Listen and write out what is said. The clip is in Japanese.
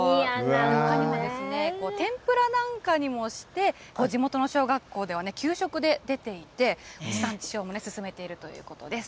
ほかにも、天ぷらなんかにもして、地元の小学校では給食で出ていて、地産地消も進めているということです。